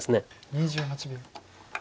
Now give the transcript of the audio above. ２８秒。